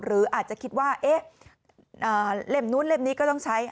หรืออาจจะคิดว่าเล่มนู้นเล่มนี้ก็ต้องใช้